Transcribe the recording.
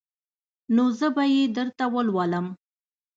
نو زه به يې درته ولولم.